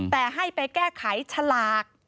แต่ให้ไปแก้ไขฉลาก